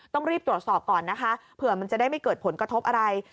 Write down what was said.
ต้องรีบตรวจสอบก่อนนะคะเผื่อมันจะได้ไม่เกิดผลกระทบอะไร